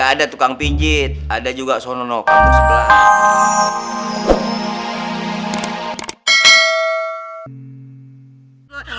ada tukang pinjit ada juga sono no koko sebelah